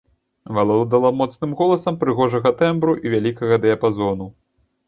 Валодала моцным голасам прыгожага тэмбру і вялікага дыяпазону.